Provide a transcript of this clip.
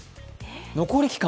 残り期間